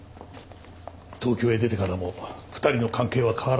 東京へ出てからも２人の関係は変わらなかった。